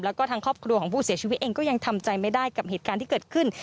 แล้วก็ทางครอบครัวของผู้เสียชีวิตเองก็ยังทำใจไม่ได้กับเหตุการณ์ที่เกิดขึ้น